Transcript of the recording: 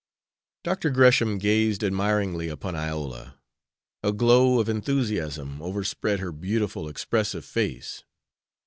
Dr. Gresham gazed admiringly upon Iola. A glow of enthusiasm overspread her beautiful, expressive face.